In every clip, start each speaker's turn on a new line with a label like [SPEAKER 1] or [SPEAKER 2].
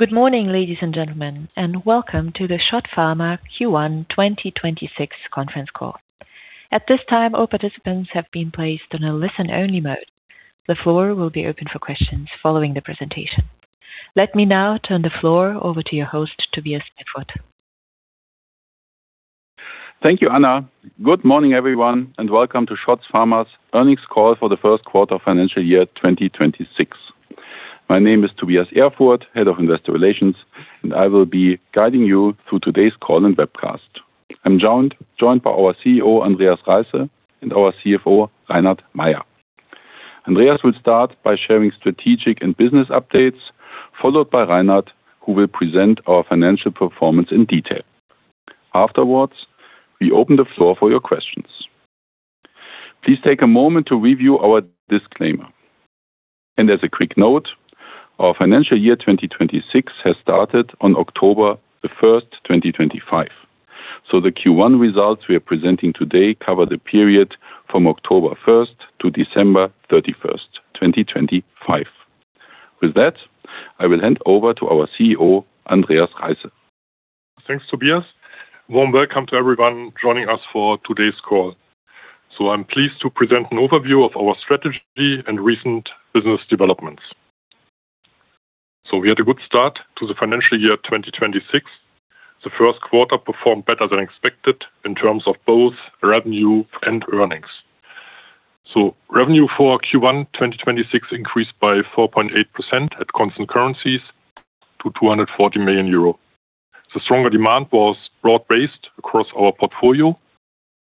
[SPEAKER 1] Good morning, ladies and gentlemen, and welcome to the SCHOTT Pharma Q1 2026 Conference Call. At this time, all participants have been placed on a listen-only mode. The floor will be open for questions following the presentation. Let me now turn the floor over to your host, Tobias Erfurth.
[SPEAKER 2] Thank you, Anna. Good morning, everyone, and welcome to SCHOTT Pharma's earnings call for the first quarter of financial year 2026. My name is Tobias Erfurth, Head of Investor Relations, and I will be guiding you through today's call and webcast. I'm joined by our CEO, Andreas Reisse, and our CFO, Reinhard Mayer. Andreas will start by sharing strategic and business updates, followed by Reinhard, who will present our financial performance in detail. Afterwards, we open the floor for your questions. Please take a moment to review our disclaimer. As a quick note, our financial year 2026 has started on October 1st, 2025, so the Q1 results we are presenting today cover the period from October 1st to December 31st, 2025. With that, I will hand over to our CEO, Andreas Reisse.
[SPEAKER 3] Thanks, Tobias. Warm welcome to everyone joining us for today's call. I'm pleased to present an overview of our strategy and recent business developments. We had a good start to the financial year 2026. The first quarter performed better than expected in terms of both revenue and earnings. Revenue for Q1 2026 increased by 4.8% at constant currencies to 240 million euro. The stronger demand was broad-based across our portfolio,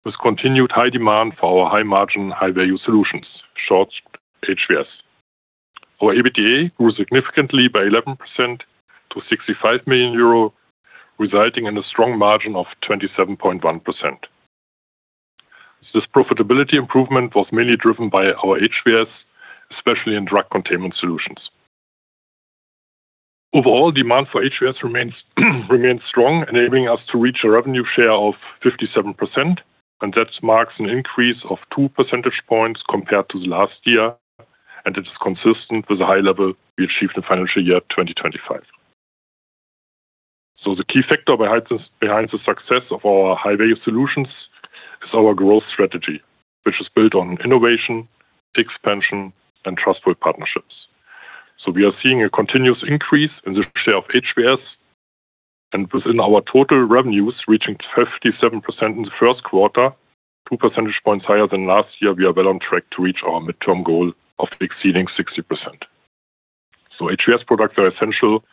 [SPEAKER 3] with continued high demand for our high-margin, high-value solutions, SCHOTT HVS. Our EBITDA grew significantly by 11% to 65 million euro, resulting in a strong margin of 27.1%. This profitability improvement was mainly driven by our HVS, especially in drug containment solutions. Overall, demand for HVS remains strong, enabling us to reach a revenue share of 57%, and that marks an increase of 2 percentage points compared to the last year, and it is consistent with the high level we achieved in financial year 2025. The key factor behind the success of our high-value solutions is our growth strategy, which is built on innovation, expansion, and trustworthy partnerships. We are seeing a continuous increase in the share of HVS, and within our total revenues reaching 57% in the first quarter, 2 percentage points higher than last year, we are well on track to reach our midterm goal of exceeding 60%. HVS products are essential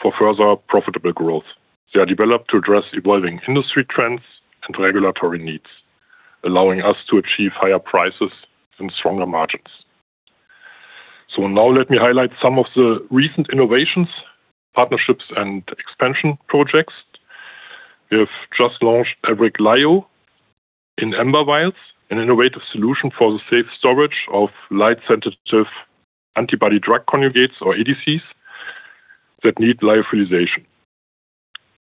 [SPEAKER 3] for further profitable growth. They are developed to address evolving industry trends and regulatory needs, allowing us to achieve higher prices and stronger margins. So now let me highlight some of the recent innovations, partnerships, and expansion projects. We have just launched EVERIC lyo in amber vials, an innovative solution for the safe storage of light-sensitive antibody drug conjugates, or ADCs, that need lyophilization.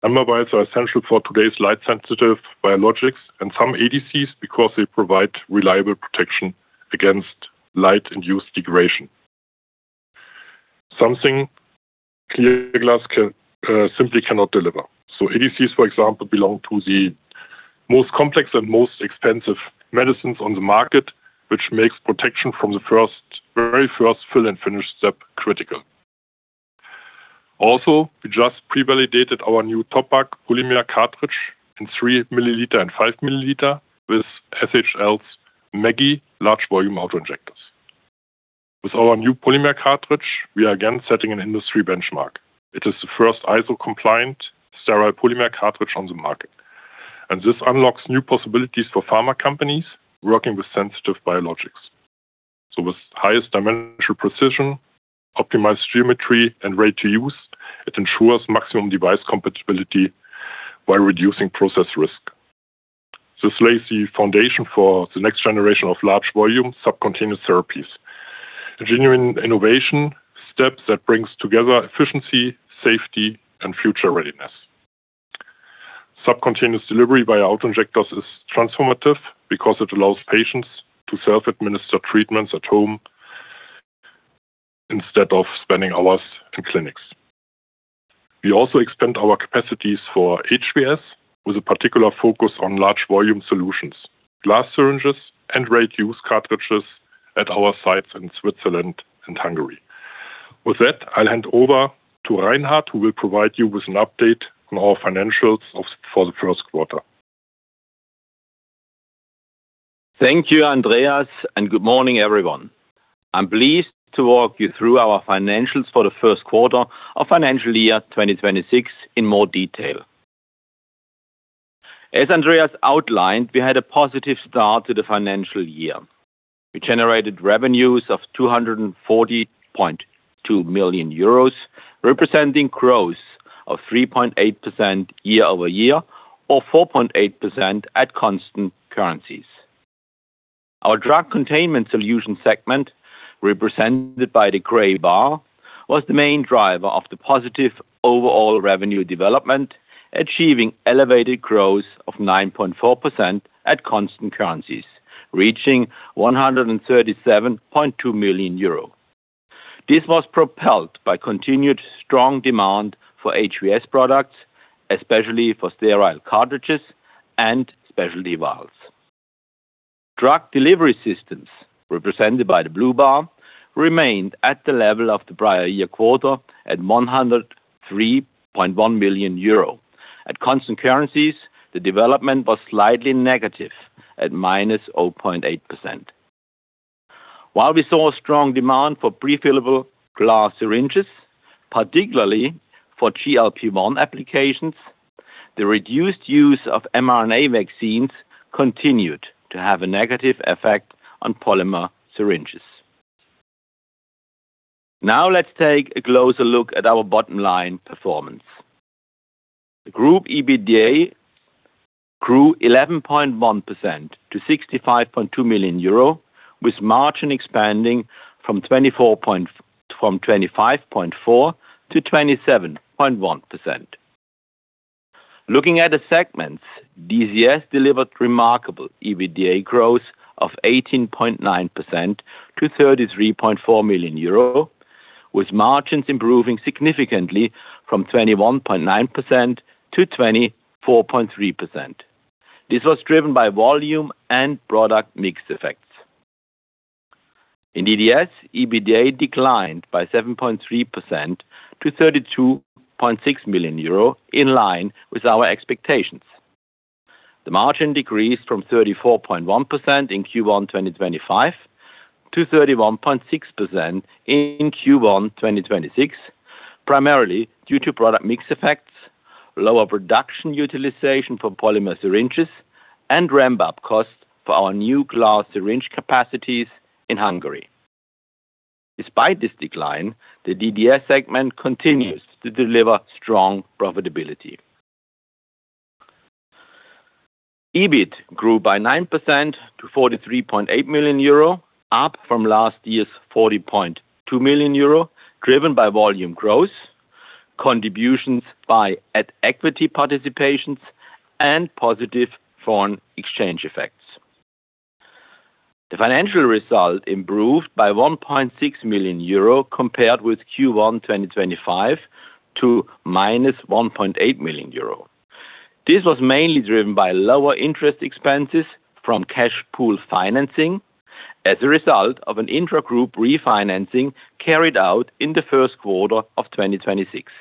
[SPEAKER 3] Amber vials is essential for today's light-sensitive biologics and some ADCs because they provide reliable protection against light-induced degradation, something clear glass simply cannot deliver. So ADCs, for example, belong to the most complex and most expensive medicines on the market, which makes protection from the very first fill-and-finish step critical. Also, we just pre-validated our new TOPPAC polymer cartridge in 3 ml and 5 ml with SHL's Maggie large volume autoinjectors. With our new polymer cartridge, we are again setting an industry benchmark. It is the first ISO-compliant sterile polymer cartridge on the market, and this unlocks new possibilities for pharma companies working with sensitive biologics. So with highest dimensional precision, optimized geometry, and ready-to-use, it ensures maximum device compatibility while reducing process risk. This lays the foundation for the next generation of large volume subcutaneous therapies, a genuine innovation step that brings together efficiency, safety, and future readiness. Subcutaneous delivery via autoinjectors is transformative because it allows patients to self-administer treatments at home instead of spending hours in clinics. We also expand our capacities for HVS with a particular focus on large volume solutions, glass syringes, and ready-to-use cartridges at our sites in Switzerland and Hungary. With that, I'll hand over to Reinhard, who will provide you with an update on our financials for the first quarter.
[SPEAKER 4] Thank you, Andreas, and good morning, everyone. I'm pleased to walk you through our financials for the first quarter of financial year 2026 in more detail. As Andreas outlined, we had a positive start to the financial year. We generated revenues of 240.2 million euros, representing growth of 3.8% year-over-year or 4.8% at constant currencies. Our Drug Containment Solutions segment, represented by the gray bar, was the main driver of the positive overall revenue development, achieving elevated growth of 9.4% at constant currencies, reaching 137.2 million euro. This was propelled by continued strong demand for HVS products, especially for sterile cartridges and specialty vials. Drug Delivery Systems, represented by the blue bar, remained at the level of the prior year quarter at 103.1 million euro. At constant currencies, the development was slightly negative at -0.8%. While we saw strong demand for prefillable glass syringes, particularly for GLP-1 applications, the reduced use of mRNA vaccines continued to have a negative effect on polymer syringes. Now let's take a closer look at our bottom-line performance. The group EBITDA grew 11.1% to 65.2 million euro, with margin expanding from 25.4% to 27.1%. Looking at the segments, DCS delivered remarkable EBITDA growth of 18.9% to 33.4 million euro, with margins improving significantly from 21.9% to 24.3%. This was driven by volume and product mix effects. In DDS, EBITDA declined by 7.3% to 32.6 million euro, in line with our expectations. The margin decreased from 34.1% in Q1 2025 to 31.6% in Q1 2026, primarily due to product mix effects, lower production utilization for polymer syringes, and ramp-up costs for our new glass syringe capacities in Hungary. Despite this decline, the DDS segment continues to deliver strong profitability. EBIT grew by 9% to 43.8 million euro, up from last year's 40.2 million euro, driven by volume growth, contributions by equity participations, and positive foreign exchange effects. The financial result improved by 1.6 million euro compared with Q1 2025 to -1.8 million euro. This was mainly driven by lower interest expenses from cash pool financing as a result of an intra-group refinancing carried out in the first quarter of 2026.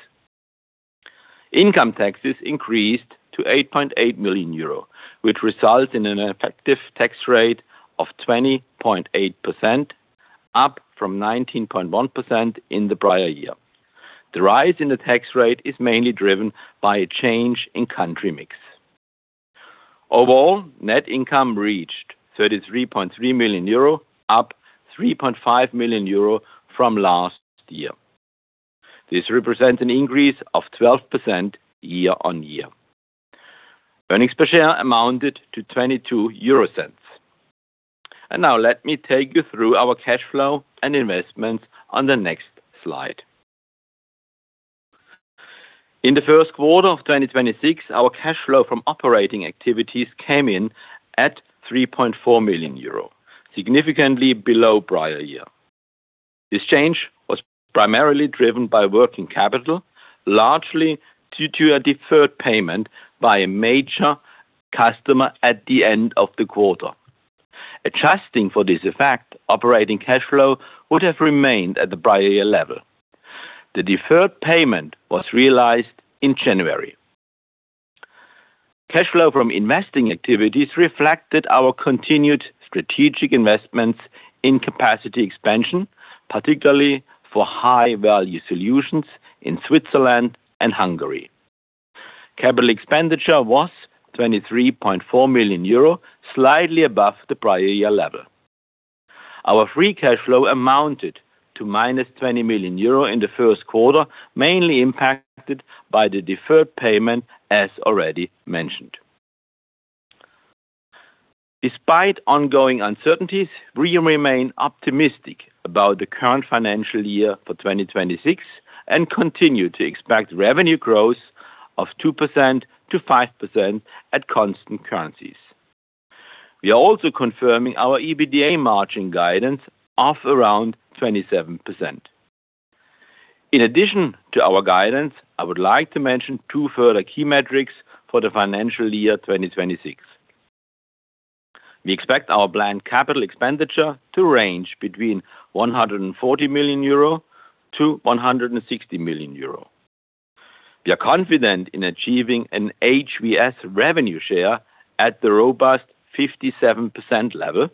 [SPEAKER 4] Income taxes increased to 8.8 million euro, which results in an effective tax rate of 20.8%, up from 19.1% in the prior year. The rise in the tax rate is mainly driven by a change in country mix. Overall, net income reached 33.3 million euro, up 3.5 million euro from last year. This represents an increase of 12% year-on-year. Earnings per share amounted to 0.22. And now let me take you through our cash flow and investments on the next slide. In the first quarter of 2026, our cash flow from operating activities came in at 3.4 million euro, significantly below prior year. This change was primarily driven by working capital, largely due to a deferred payment by a major customer at the end of the quarter. Adjusting for this effect, operating cash flow would have remained at the prior year level. The deferred payment was realized in January. Cash flow from investing activities reflected our continued strategic investments in capacity expansion, particularly for High-Value Solutions in Switzerland and Hungary. Capital expenditure was 23.4 million euro, slightly above the prior year level. Our free cash flow amounted to -20 million euro in the first quarter, mainly impacted by the deferred payment, as already mentioned. Despite ongoing uncertainties, we remain optimistic about the current financial year for 2026 and continue to expect revenue growth of 2%-5% at constant currencies. We are also confirming our EBITDA margin guidance of around 27%. In addition to our guidance, I would like to mention two further key metrics for the financial year 2026. We expect our planned capital expenditure to range between 140 million-160 million euro. We are confident in achieving an HVS revenue share at the robust 57% level,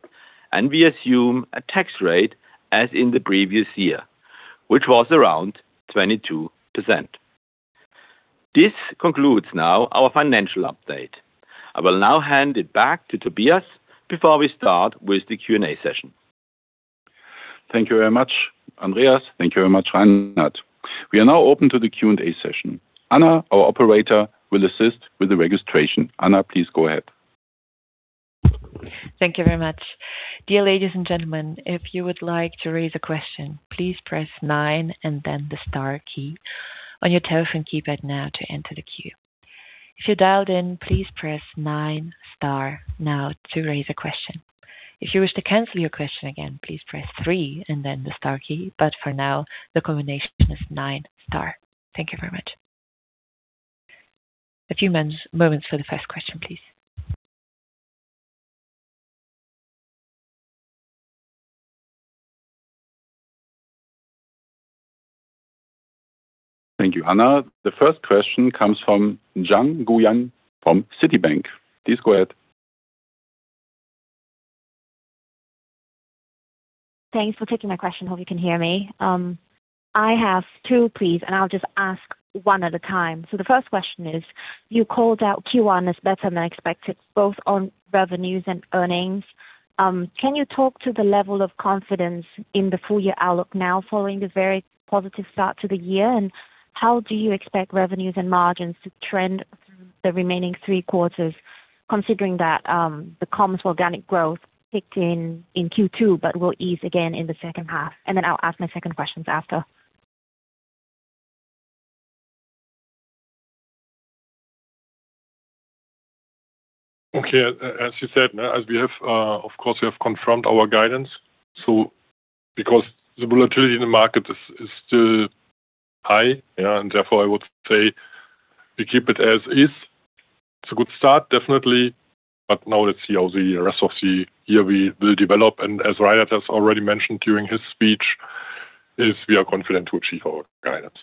[SPEAKER 4] and we assume a tax rate as in the previous year, which was around 22%. This concludes now our financial update. I will now hand it back to Tobias before we start with the Q&A session.
[SPEAKER 2] Thank you very much, Andreas. Thank you very much, Reinhard. We are now open to the Q&A session. Anna, our operator, will assist with the registration. Anna, please go ahead.
[SPEAKER 1] Thank you very much. Dear ladies and gentlemen, if you would like to raise a question, please press nine and then the star key on your telephone keypad now to enter the queue. If you dialed in, please press nine star now to raise a question. If you wish to cancel your question again, please press three and then the star key, but for now, the combination is nine star. Thank you very much. A few moments for the first question, please.
[SPEAKER 2] Thank you, Anna. The first question comes from Giang Nguyen from Citibank. Please go ahead.
[SPEAKER 5] Thanks for taking my question. Hope you can hear me. I have two, please, and I'll just ask one at a time. So the first question is, you called out Q1 as better than expected, both on revenues and earnings. Can you talk to the level of confidence in the full-year outlook now following the very positive start to the year, and how do you expect revenues and margins to trend through the remaining three quarters, considering that the comps organic growth kicked in in Q2 but will ease again in the second half? And then I'll ask my second questions after.
[SPEAKER 3] Okay. As you said, as we have, of course, we have confirmed our guidance. So because the volatility in the market is still high, and therefore I would say we keep it as is. It's a good start, definitely, but now let's see how the rest of the year will develop. And as Reinhard has already mentioned during his speech, we are confident to achieve our guidance.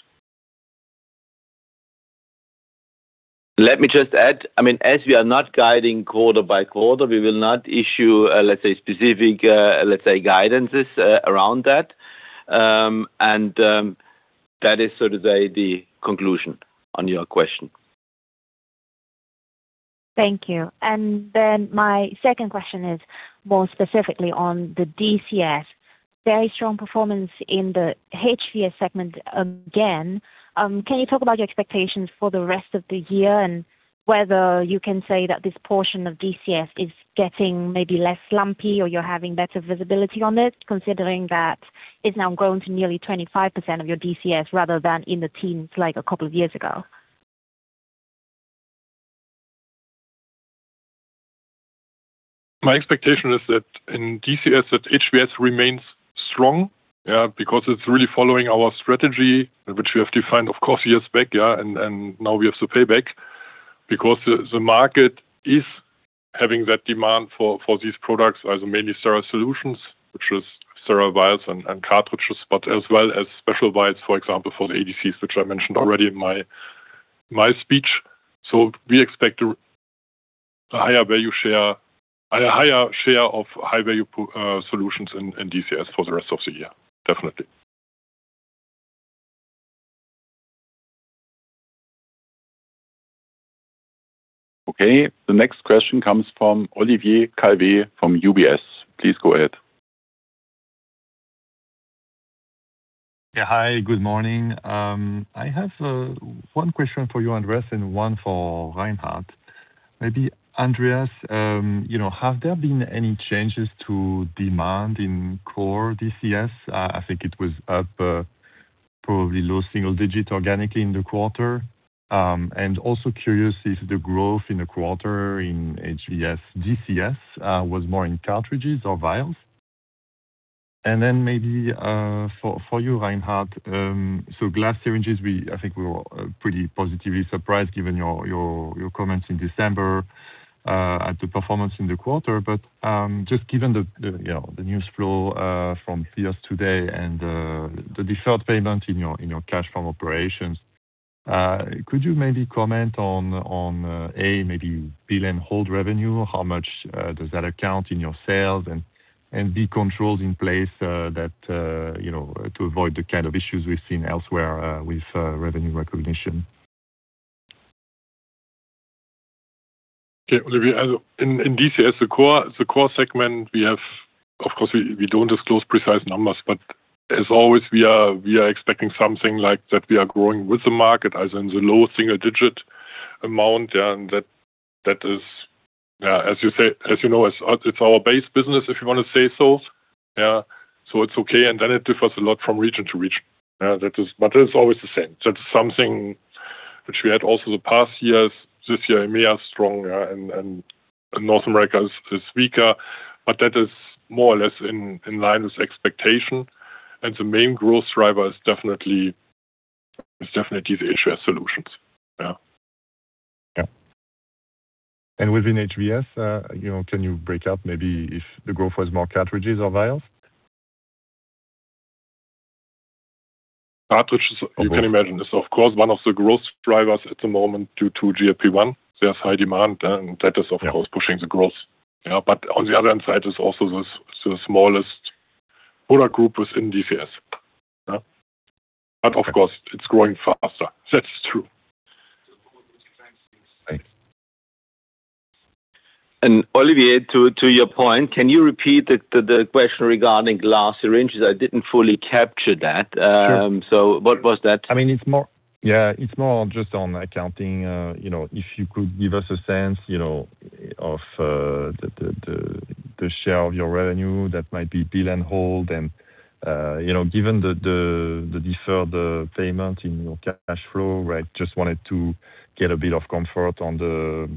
[SPEAKER 4] Let me just add. I mean, as we are not guiding quarter by quarter, we will not issue, let's say, specific guidances around that. And that is, so to say, the conclusion on your question.
[SPEAKER 5] Thank you. Then my second question is more specifically on the DCS. Very strong performance in the HVS segment again. Can you talk about your expectations for the rest of the year and whether you can say that this portion of DCS is getting maybe less lumpy or you're having better visibility on it, considering that it's now grown to nearly 25% of your DCS rather than in the teens like a couple of years ago?
[SPEAKER 3] My expectation is that in DCS, that HVS remains strong because it's really following our strategy, which we have defined, of course, years back, and now we have to pay back because the market is having that demand for these products, also mainly sterile solutions, which is sterile vials and cartridges, but as well as special vials, for example, for the ADCs, which I mentioned already in my speech. So we expect a higher value share, a higher share of high-value solutions in DCS for the rest of the year, definitely.
[SPEAKER 2] Okay. The next question comes from Olivier Calvet from UBS. Please go ahead.
[SPEAKER 6] Yeah. Hi. Good morning. I have one question for you, Andreas, and one for Reinhard. Maybe, Andreas, have there been any changes to demand in core DCS? I think it was up probably low single digit organically in the quarter. And also curious if the growth in the quarter in HVS DCS was more in cartridges or vials. And then maybe for you, Reinhard, so glass syringes, I think we were pretty positively surprised given your comments in December at the performance in the quarter. But just given the news flow from peers today and the deferred payment in your cash from operations, could you maybe comment on, A, maybe bill-and-hold revenue? How much does that account in your sales? And, B, controls in place to avoid the kind of issues we've seen elsewhere with revenue recognition?
[SPEAKER 3] Okay. Olivier, in DCS, the core segment, of course, we don't disclose precise numbers, but as always, we are expecting something like that we are growing with the market, either in the low single digit amount. And that is, as you know, it's our base business, if you want to say so. So it's okay. And then it differs a lot from region to region. But it's always the same. That's something which we had also the past years. This year, EMEA is strong, and North America is weaker. But that is more or less in line with expectation. And the main growth driver is definitely these HVS solutions.
[SPEAKER 6] Yeah. Within HVS, can you break out maybe if the growth was more cartridges or vials?
[SPEAKER 3] Cartridges, you can imagine, is, of course, one of the growth drivers at the moment due to GLP-1. There's high demand, and that is, of course, pushing the growth. But on the other hand side, it's also the smallest product group within DCS. But of course, it's growing faster. That's true.
[SPEAKER 4] Olivier, to your point, can you repeat the question regarding glass syringes? I didn't fully capture that. What was that?
[SPEAKER 6] I mean, yeah, it's more just on accounting. If you could give us a sense of the share of your revenue that might be bill-and-hold. And given the deferred payment in your cash flow, I just wanted to get a bit of comfort on the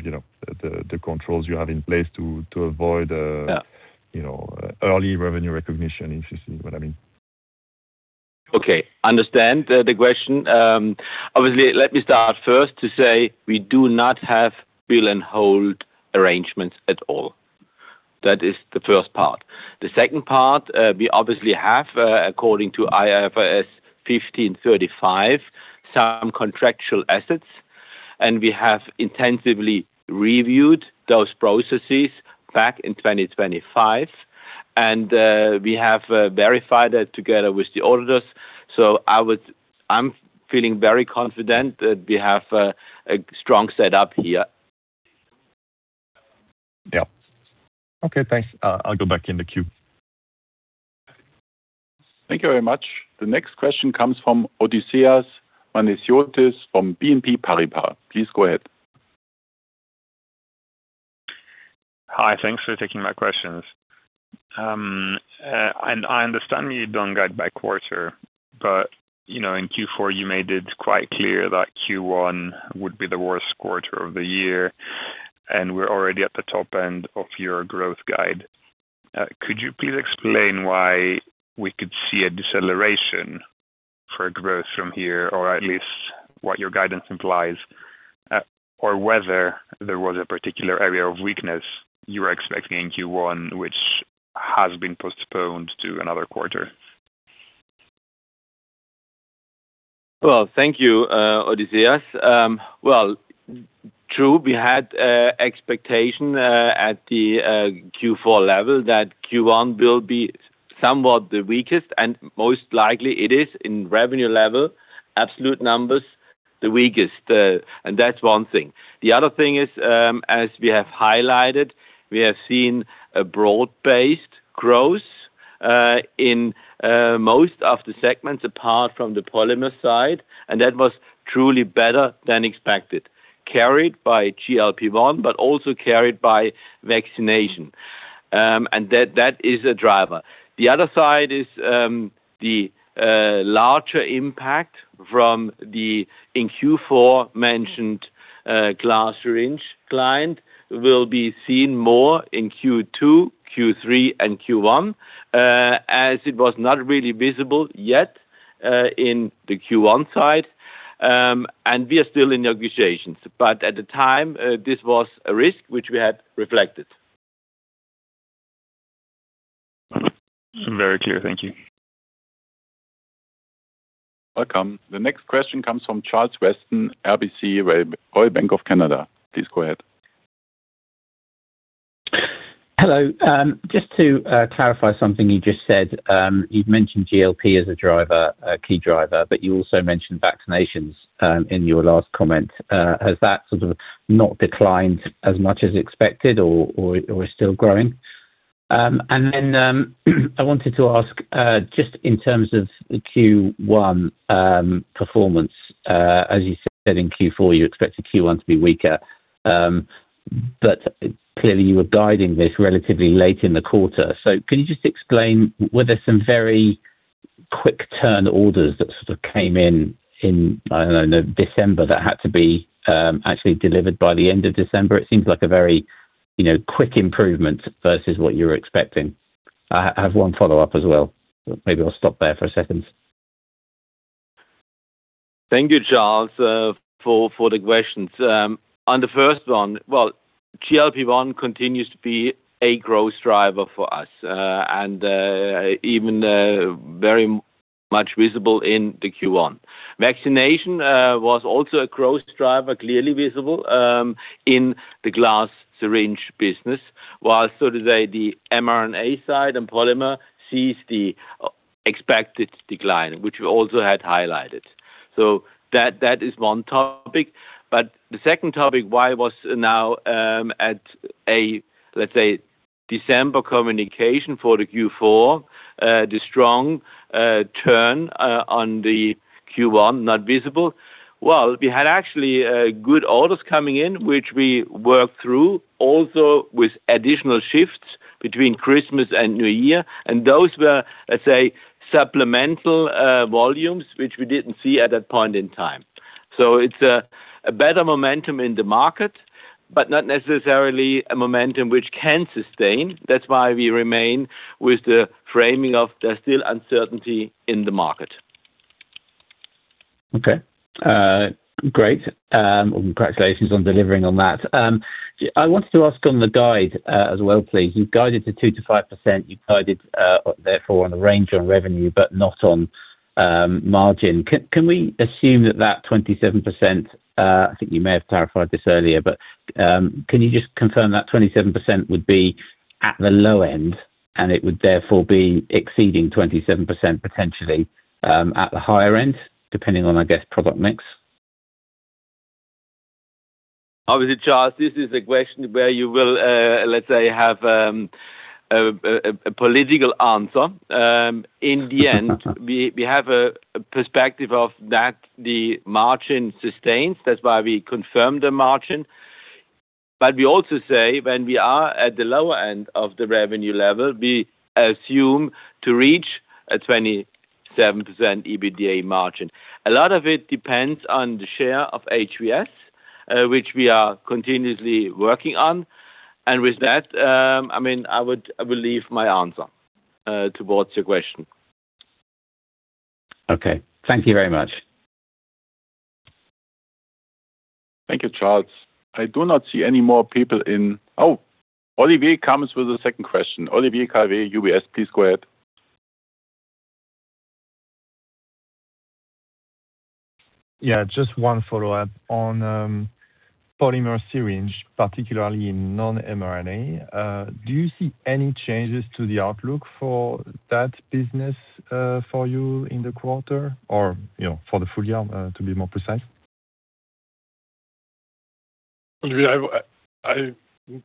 [SPEAKER 6] controls you have in place to avoid early revenue recognition, if you see what I mean.
[SPEAKER 4] Okay. Understand the question. Obviously, let me start first to say we do not have bill-and-hold arrangements at all. That is the first part. The second part, we obviously have, according to IFRS 15, some contractual assets. And we have intensively reviewed those processes back in 2025. And we have verified that together with the auditors. So I'm feeling very confident that we have a strong setup here.
[SPEAKER 6] Yeah. Okay. Thanks. I'll go back in the queue.
[SPEAKER 2] Thank you very much. The next question comes from Odysseas Manesiotis from BNP Paribas. Please go ahead.
[SPEAKER 7] Hi. Thanks for taking my questions. I understand you don't guide by quarter, but in Q4, you made it quite clear that Q1 would be the worst quarter of the year. We're already at the top end of your growth guide. Could you please explain why we could see a deceleration for growth from here, or at least what your guidance implies, or whether there was a particular area of weakness you were expecting in Q1, which has been postponed to another quarter?
[SPEAKER 4] Well, thank you, Odysseas. Well, true, we had expectation at the Q4 level that Q1 will be somewhat the weakest. Most likely, it is in revenue level, absolute numbers, the weakest. That's one thing. The other thing is, as we have highlighted, we have seen a broad-based growth in most of the segments apart from the polymer side. That was truly better than expected, carried by GLP-1, but also carried by vaccination. That is a driver. The other side is the larger impact from the in-Q4-mentioned glass syringe client will be seen more in Q2, Q3, and Q1, as it was not really visible yet in the Q1 side. We are still in negotiations. But at the time, this was a risk, which we had reflected.
[SPEAKER 7] Very clear. Thank you.
[SPEAKER 4] Welcome.
[SPEAKER 2] The next question comes from Charles Weston, RBC, Royal Bank of Canada. Please go ahead.
[SPEAKER 8] Hello. Just to clarify something you just said, you've mentioned GLP-1 as a key driver, but you also mentioned vaccinations in your last comment. Has that sort of not declined as much as expected or is still growing? And then I wanted to ask just in terms of Q1 performance. As you said in Q4, you expected Q1 to be weaker. But clearly, you were guiding this relatively late in the quarter. So can you just explain were there some very quick turn orders that sort of came in, I don't know, December that had to be actually delivered by the end of December? It seems like a very quick improvement versus what you were expecting. I have one follow-up as well. Maybe I'll stop there for a second.
[SPEAKER 4] Thank you, Charles, for the questions. On the first one, well, GLP-1 continues to be a growth driver for us and even very much visible in the Q1. Vaccination was also a growth driver, clearly visible in the glass syringe business, while so to say the mRNA side and polymer sees the expected decline, which we also had highlighted. So that is one topic. But the second topic, why was now at a, let's say, December communication for the Q4, the strong turn on the Q1 not visible? Well, we had actually good orders coming in, which we worked through also with additional shifts between Christmas and New Year. And those were, let's say, supplemental volumes, which we didn't see at that point in time. So it's a better momentum in the market, but not necessarily a momentum which can sustain. That's why we remain with the framing of there's still uncertainty in the market.
[SPEAKER 8] Okay. Great. Well, congratulations on delivering on that. I wanted to ask on the guide as well, please. You've guided to 2%-5%. You've guided, therefore, on the range on revenue, but not on margin. Can we assume that that 27% I think you may have clarified this earlier, but can you just confirm that 27% would be at the low end, and it would therefore be exceeding 27% potentially at the higher end, depending on, I guess, product mix?
[SPEAKER 4] Obviously, Charles, this is a question where you will, let's say, have a political answer. In the end, we have a perspective of that the margin sustains. That's why we confirmed the margin. But we also say when we are at the lower end of the revenue level, we assume to reach a 27% EBITDA margin. A lot of it depends on the share of HVS, which we are continuously working on. And with that, I mean, I would leave my answer towards your question.
[SPEAKER 8] Okay. Thank you very much.
[SPEAKER 2] Thank you, Charles. I do not see any more people in. Oh, Olivier comes with a second question. Olivier Calvet, UBS. Please go ahead.
[SPEAKER 6] Yeah. Just one follow-up. On polymer syringe, particularly in non-mRNA, do you see any changes to the outlook for that business for you in the quarter or for the full year, to be more precise?
[SPEAKER 3] Olivier, I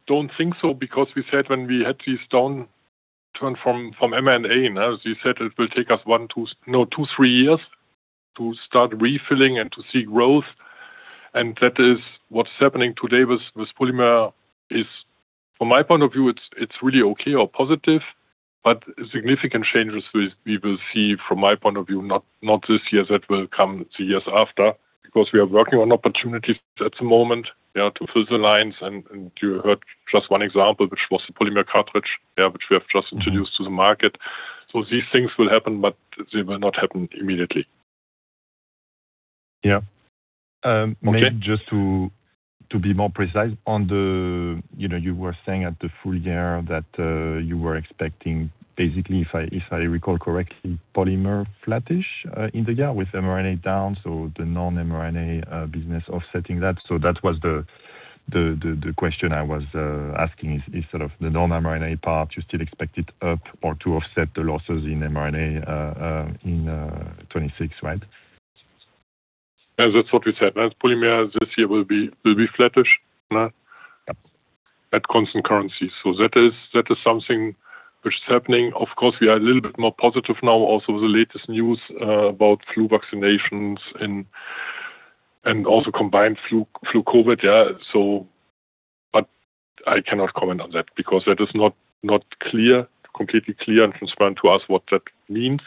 [SPEAKER 3] don't think so because we said when we had this downturn from mRNA, as you said, it will take us one, two, no, two, three years to start refilling and to see growth. And that is what's happening today with polymer is, from my point of view, it's really okay or positive, but significant changes we will see, from my point of view, not this year that will come the years after because we are working on opportunities at the moment to fill the lines. And you heard just one example, which was the polymer cartridge, which we have just introduced to the market. So these things will happen, but they will not happen immediately.
[SPEAKER 6] Yeah. Maybe just to be more precise, you were saying at the full year that you were expecting, basically, if I recall correctly, polymer flattish in the year with mRNA down, so the non-mRNA business offsetting that. So that was the question I was asking, is sort of the non-mRNA part, you still expect it up or to offset the losses in mRNA in 2026, right?
[SPEAKER 3] Yeah. That's what we said. Polymer this year will be flattish at constant currency. So that is something which is happening. Of course, we are a little bit more positive now also with the latest news about flu vaccinations and also combined flu/COVID, yeah. But I cannot comment on that because that is not completely clear and transparent to us what that means.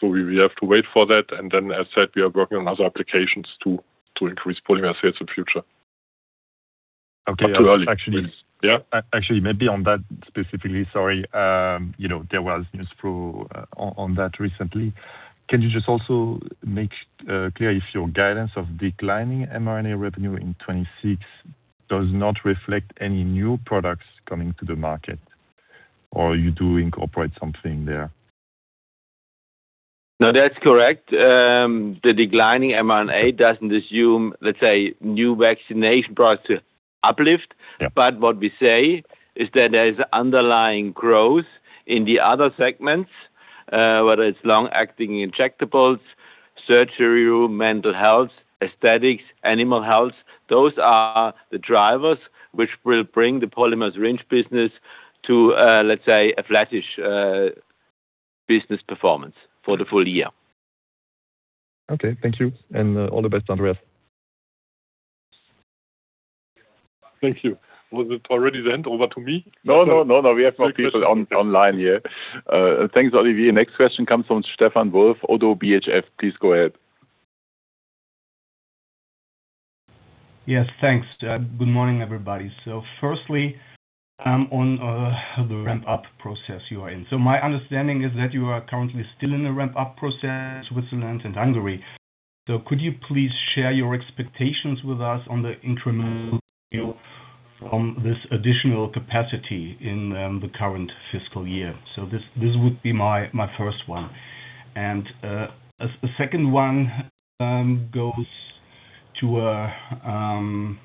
[SPEAKER 3] So we have to wait for that. And then, as said, we are working on other applications to increase polymer sales in the future, but too early.
[SPEAKER 6] Okay. Actually, maybe on that specifically, sorry, there was news flow on that recently. Can you just also make clear if your guidance of declining mRNA revenue in 2026 does not reflect any new products coming to the market, or you do incorporate something there?
[SPEAKER 4] No, that's correct. The declining mRNA doesn't assume, let's say, new vaccination products to uplift. But what we say is that there is underlying growth in the other segments, whether it's long-acting injectables, surgery, mental health, aesthetics, animal health. Those are the drivers which will bring the polymer syringe business to, let's say, a flattish business performance for the full year.
[SPEAKER 6] Okay. Thank you. And all the best, Andreas.
[SPEAKER 3] Thank you. Was it already sent over to me?
[SPEAKER 2] No, no, no, no. We have more people online here. Thanks, Olivier. Next question comes from Stephan Wulf, ODDO BHF. Please go ahead.
[SPEAKER 9] Yes. Thanks. Good morning, everybody. So firstly, on the ramp-up process you are in. So my understanding is that you are currently still in a ramp-up process. Switzerland and Hungary. So could you please share your expectations with us on the incremental yield from this additional capacity in the current fiscal year? So this would be my first one. And a second one goes to a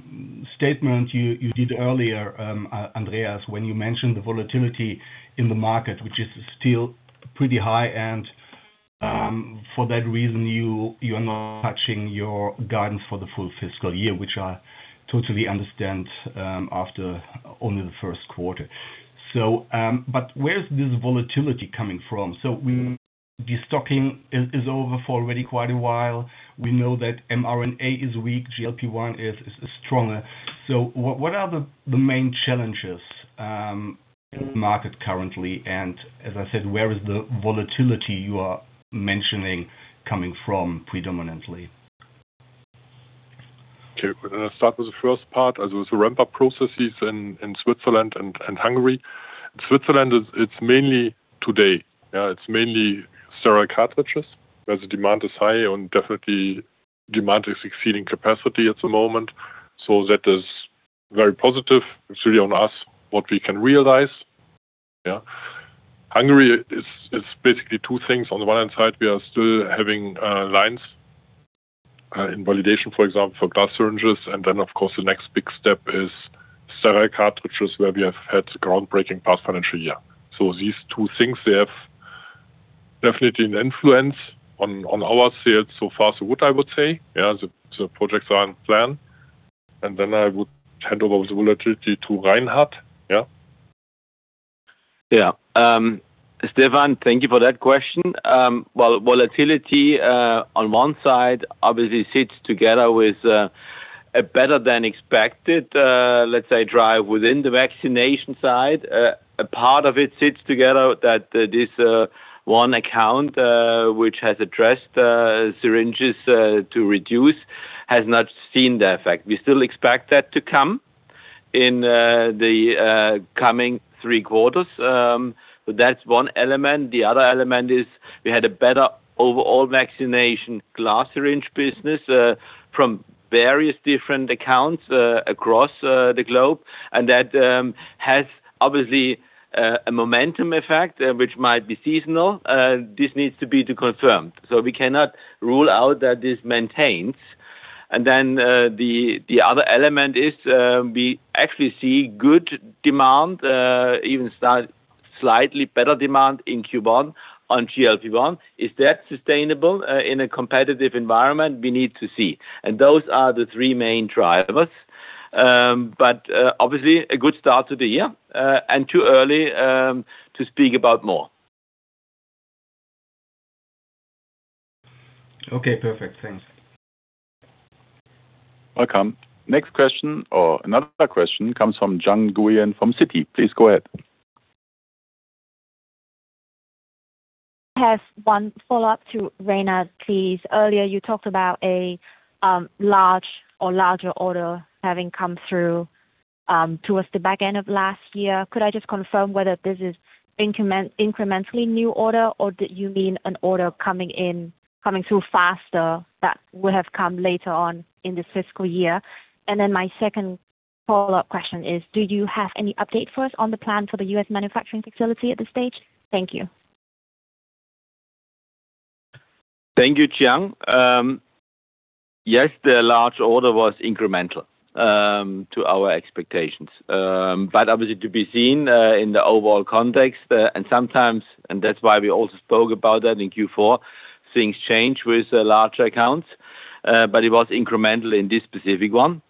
[SPEAKER 9] statement you did earlier, Andreas, when you mentioned the volatility in the market, which is still pretty high. And for that reason, you are not touching your guidance for the full fiscal year, which I totally understand after only the first quarter. But where is this volatility coming from? So destocking is over for already quite a while. We know that mRNA is weak. GLP-1 is stronger. So what are the main challenges in the market currently? As I said, where is the volatility you are mentioning coming from predominantly?
[SPEAKER 3] Okay. I'll start with the first part. So it's the ramp-up processes in Switzerland and Hungary. In Switzerland, it's mainly today. It's mainly sterile cartridges where the demand is high and definitely demand is exceeding capacity at the moment. So that is very positive. It's really on us what we can realize. Hungary is basically two things. On the one hand side, we are still having lines in validation, for example, for glass syringes. And then, of course, the next big step is sterile cartridges where we have had groundbreaking past financial year. So these two things, they have definitely an influence on our sales so far, so good, I would say. The projects are in plan. And then I would hand over the volatility to Reinhard. Yeah?
[SPEAKER 4] Yeah. Stefan, thank you for that question. Well, volatility on one side, obviously, sits together with a better-than-expected, let's say, drive within the vaccination side. A part of it sits together that this one account, which has addressed syringes to reduce, has not seen the effect. We still expect that to come in the coming three quarters. So that's one element. The other element is we had a better overall vaccination glass syringe business from various different accounts across the globe. And that has obviously a momentum effect, which might be seasonal. This needs to be confirmed. So we cannot rule out that this maintains. And then the other element is we actually see good demand, even slightly better demand in Q1 on GLP-1. Is that sustainable in a competitive environment? We need to see. And those are the three main drivers. Obviously, a good start to the year, and too early to speak about more.
[SPEAKER 9] Okay. Perfect. Thanks.
[SPEAKER 2] Welcome. Next question or another question comes from Giang Nguyen from Citibank. Please go ahead.
[SPEAKER 5] I have one follow-up to Reinhard, please. Earlier, you talked about a large or larger order having come through towards the back end of last year. Could I just confirm whether this is incrementally new order, or did you mean an order coming through faster that would have come later on in this fiscal year? And then my second follow-up question is, do you have any update for us on the plan for the U.S. manufacturing facility at this stage? Thank you.
[SPEAKER 4] Thank you, Giang. Yes, the large order was incremental to our expectations. But obviously, to be seen in the overall context and sometimes and that's why we also spoke about that in Q4, things change with larger accounts. But it was incremental in this specific one.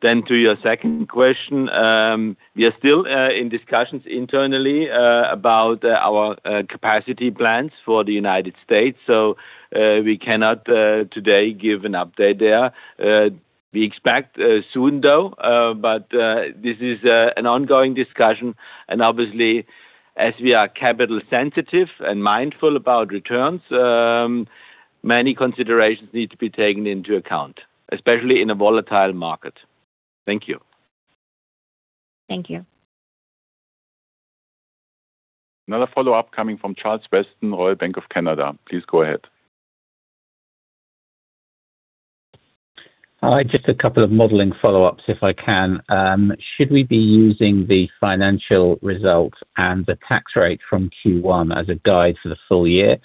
[SPEAKER 4] Then to your second question, we are still in discussions internally about our capacity plans for the United States. So we cannot today give an update there. We expect soon, though. But this is an ongoing discussion. And obviously, as we are capital-sensitive and mindful about returns, many considerations need to be taken into account, especially in a volatile market. Thank you.
[SPEAKER 5] Thank you.
[SPEAKER 2] Another follow-up coming from Charles Weston, Royal Bank of Canada. Please go ahead.
[SPEAKER 8] Hi. Just a couple of modeling follow-ups, if I can. Should we be using the financial results and the tax rate from Q1 as a guide for the full year?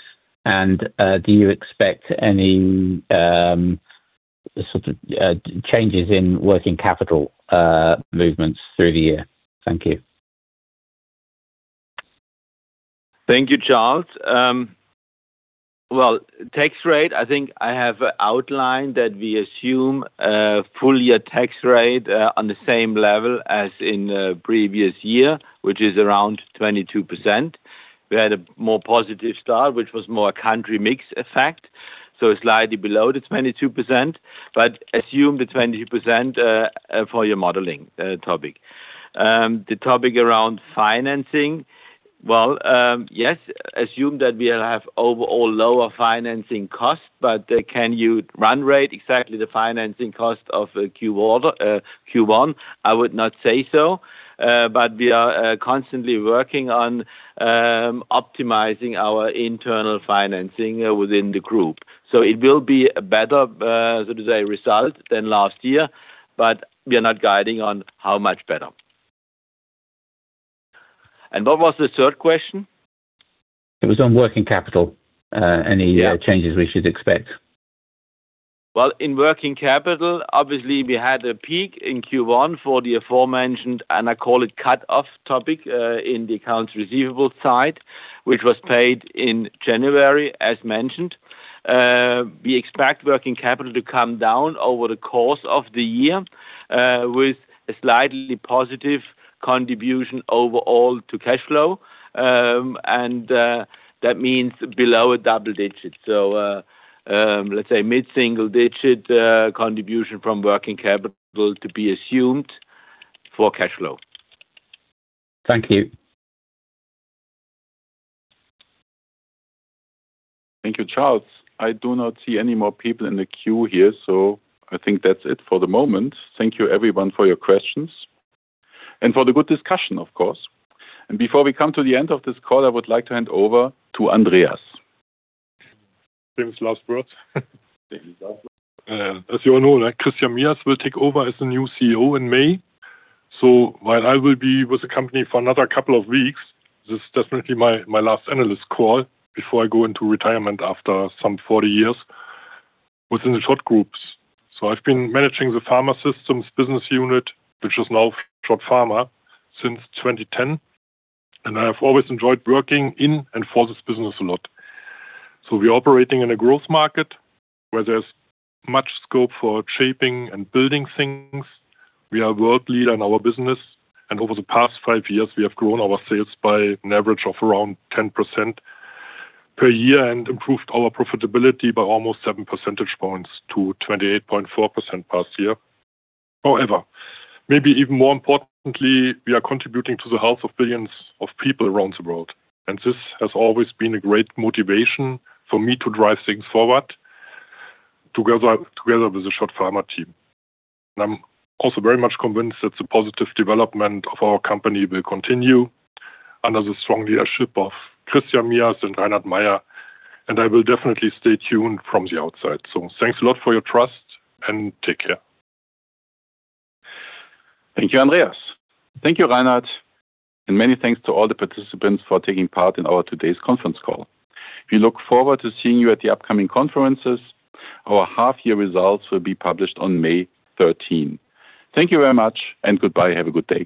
[SPEAKER 8] And do you expect any sort of changes in working capital movements through the year? Thank you.
[SPEAKER 4] Thank you, Charles. Well, tax rate, I think I have outlined that we assume full-year tax rate on the same level as in the previous year, which is around 22%. We had a more positive start, which was more a country-mix effect. So slightly below the 22%, but assume the 22% for your modeling topic. The topic around financing, well, yes, assume that we will have overall lower financing cost. But can you run rate exactly the financing cost of Q1? I would not say so. But we are constantly working on optimizing our internal financing within the group. So it will be a better, so to say, result than last year, but we are not guiding on how much better. And what was the third question?
[SPEAKER 8] It was on working capital, any changes we should expect?
[SPEAKER 4] Well, in working capital, obviously, we had a peak in Q1 for the aforementioned, and I call it cut-off topic, in the accounts receivable side, which was paid in January, as mentioned. We expect working capital to come down over the course of the year with a slightly positive contribution overall to cash flow. And that means below a double digit. So let's say mid-single digit contribution from working capital to be assumed for cash flow.
[SPEAKER 8] Thank you.
[SPEAKER 2] Thank you, Charles. I do not see any more people in the queue here. So I think that's it for the moment. Thank you, everyone, for your questions and for the good discussion, of course. And before we come to the end of this call, I would like to hand over to Andreas.
[SPEAKER 3] Thanks. Last words. As you all know, Christian Mias will take over as the new CEO in May. So while I will be with the company for another couple of weeks, this is definitely my last analyst call before I go into retirement after some 40 years within the SCHOTT Group. So I've been managing the pharma systems business unit, which is now SCHOTT Pharma, since 2010. And I have always enjoyed working in and for this business a lot. So we are operating in a growth market where there's much scope for shaping and building things. We are a world leader in our business. And over the past five years, we have grown our sales by an average of around 10% per year and improved our profitability by almost 7 percentage points to 28.4% past year. However, maybe even more importantly, we are contributing to the health of billions of people around the world. This has always been a great motivation for me to drive things forward together with the SCHOTT Pharma team. I'm also very much convinced that the positive development of our company will continue under the strong leadership of Christian Mias and Reinhard Mayer. I will definitely stay tuned from the outside. Thanks a lot for your trust and take care.
[SPEAKER 2] Thank you, Andreas. Thank you, Reinhard. Many thanks to all the participants for taking part in our today's conference call. We look forward to seeing you at the upcoming conferences. Our half-year results will be published on May 13th. Thank you very much and goodbye. Have a good day.